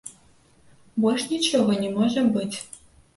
Больш нічога не можа быць.